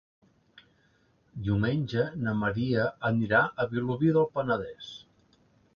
Diumenge na Maria anirà a Vilobí del Penedès.